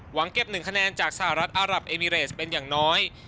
เก็บ๑คะแนนจากสหรัฐอารับเอมิเรสเป็นอย่างน้อย